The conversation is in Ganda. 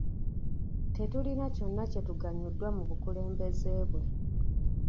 Tetulina kyonna kye tuganyuddwa mu bukulembeze bwe.